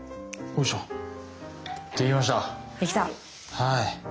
はい。